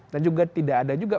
dan juga tidak ada juga